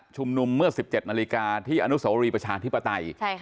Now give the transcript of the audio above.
ชุมนุมเมื่อ๑๗นาฬิกาที่อนุสาวรีประชาธิปไตย